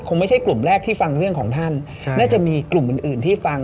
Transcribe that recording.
ไม่ใช่กลุ่มแรกที่ฟังเรื่องของท่านน่าจะมีกลุ่มอื่นอื่นที่ฟัง